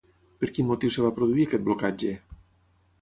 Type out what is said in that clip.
Per quin motiu es va produir aquest blocatge?